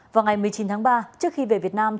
vào ngày một mươi chín tháng ba trước khi về việt nam